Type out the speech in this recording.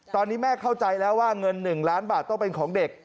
ตอนนี้แม่เข้าใจแล้วว่าเงิน๑ล้านบาทต้องเป็นของเด็ก